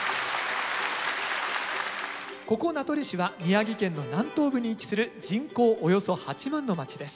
ここ名取市は宮城県の南東部に位置する人口およそ８万の街です。